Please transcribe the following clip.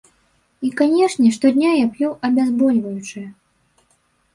І, канечне, штодня я п'ю абязбольваючыя.